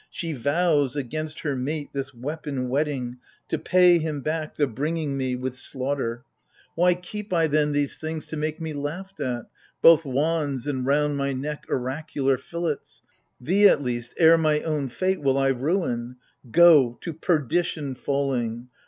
She vows, against her mate this weapon whetting To pay him back the bringing me, with slaughter. io8 AGAMEMNON. Why keep I then these thmgs to make me laughed at, Both wands and, round my neck, oracular fillets ? Thee, at least, ere my own fate will I ruin : Go, to perdition falling